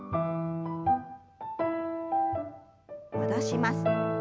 戻します。